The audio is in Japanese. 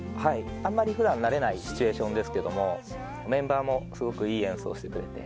あんまり普段慣れないシチュエーションですけどメンバーもすごくいい演奏してくれて。